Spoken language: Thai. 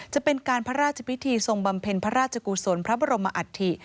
จะเป็นการพระราชพิธีทรงบำเพ็ญพระราชกุศลพระบรมอัฐิ